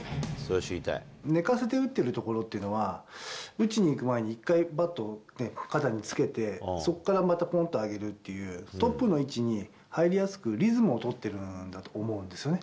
寝かせて打っているところというのは、打ちにいく前に、一回バットを肩につけて、そこからまたぽんとあげるっていう、トップの位置に入りやすくリズムを取ってるんだと思うんですよね。